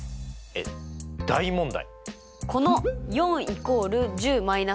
えっ大問題？